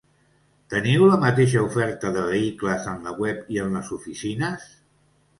Teniu la mateixa oferta de vehicles en la web i en les oficines?